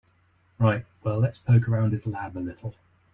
Right, well let's poke around his lab a little.